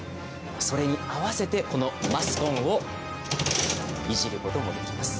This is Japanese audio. それに合わせて、このマスコンをいじることもできます。